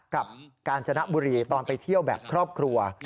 กาญจนบุรีตอนไปเที่ยวแบบครอบครัว